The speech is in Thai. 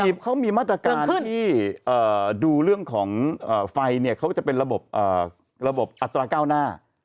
เขามีมาตรการที่ดูเรื่องของไฟเนี่ยเขาจะเป็นระบบระบบอัตราเก้าหน้า